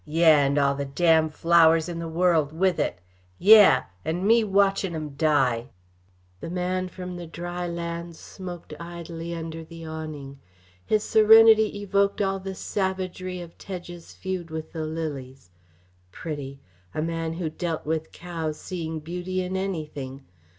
Yeh! and all the damned flowers in the world with it! Yeh! And me watchin' 'em die!" The man from the dry lands smoked idly under the awning. His serenity evoked all the savagery of Tedge's feud with the lilies. Pretty! A man who dealt with cows seeing beauty in anything!